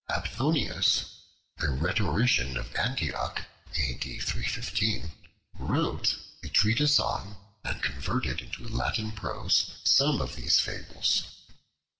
Aphthonius, a rhetorician of Antioch, A.D. 315, wrote a treatise on, and converted into Latin prose, some of these fables.